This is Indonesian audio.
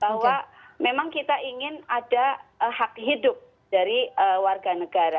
bahwa memang kita ingin ada hak hidup dari warga negara